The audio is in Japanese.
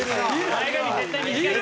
前髪絶対短いよね。